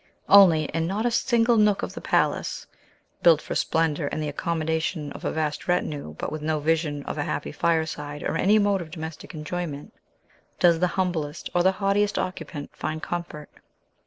Only, in not a single nook of the palace (built for splendor, and the accommodation of a vast retinue, but with no vision of a happy fireside or any mode of domestic enjoyment) does the humblest or the haughtiest occupant find comfort.